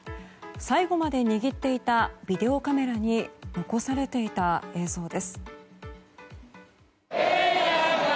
最後まで握っていたビデオカメラに残されていた映像です。